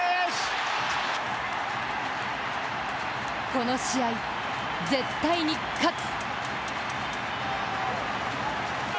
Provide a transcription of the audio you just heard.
この試合、絶対に勝つ！